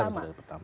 iya dari pertama